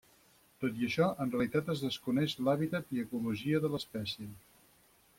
Tot i això, en realitat es desconeix l'hàbitat i ecologia de l'espècie.